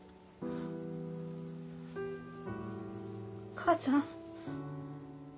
母ちゃん。